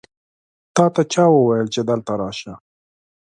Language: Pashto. تاته چا وویل چې دلته راشه؟